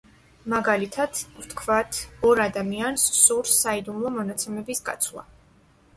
მაგალითად: ვთქვათ, ორ ადამიანს სურს საიდუმლო მონაცემების გაცვლა.